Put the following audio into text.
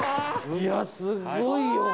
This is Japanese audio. いやすごいよ。